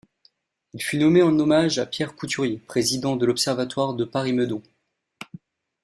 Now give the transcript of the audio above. Il fut nommé en hommage à Pierre Couturier, président de l'observatoire de Paris-Meudon.